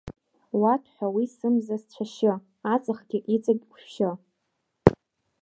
Уаҭәҳәа уи сымза-сцәашьы, аҵхгьы, иҵегь ушәшьы!